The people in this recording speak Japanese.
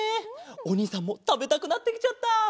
おにいさんもたべたくなってきちゃった。